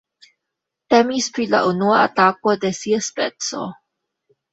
Temis pri la unua atako de sia speco.